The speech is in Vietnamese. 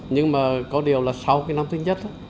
nhưng mà có điều là sau cái năm thứ nhất